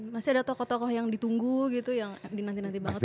masih ada tokoh tokoh yang ditunggu gitu yang nanti baru